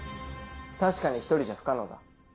確かに１人じゃ不可能だ。